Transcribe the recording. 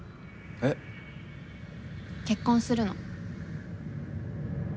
えっ？結婚するの。